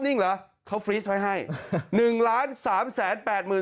นิ่งเหรอเขาฟรีสไว้ให้หนึ่งล้านสามแสนแปดหมื่น